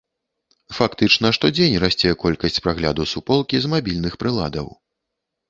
Фактычна штодзень расце колькасць прагляду суполкі з мабільных прыладаў.